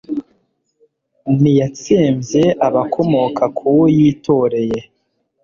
ntiyatsembye abakomoka ku uwo yitoreye